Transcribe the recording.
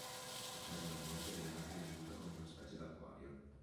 Occasionalmente viene anche venduta come una specie da acquario.